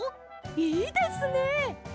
いいですね！